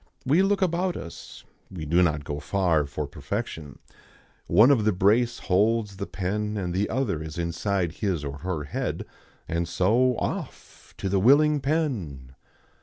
We look about us. We do not go far for perfection. One of the brace holds the pen and the other is inside his or her head; and so Off! to the willing pen.